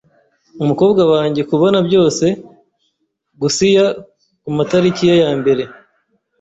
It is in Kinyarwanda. Umukobwa wanjye kubona byose gussiya kumatariki ye ya mbere.